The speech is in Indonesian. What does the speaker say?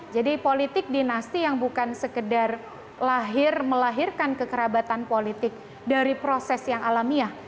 politik dinasti yang bukan sekedar lahir melahirkan kekerabatan politik dari proses yang alamiah